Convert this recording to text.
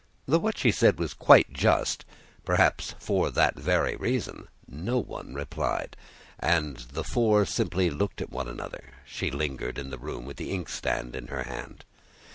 Though what she said was quite just, perhaps for that very reason no one replied, and the four simply looked at one another. She lingered in the room with the inkstand in her hand.